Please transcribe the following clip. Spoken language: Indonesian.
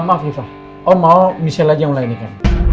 maaf rifah gue mau michelle aja ngeladain ini